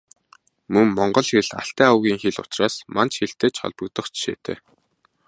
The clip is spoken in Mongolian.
Мөн Монгол хэл Алтай овгийн хэл учраас Манж хэлтэй ч холбогдох жишээтэй.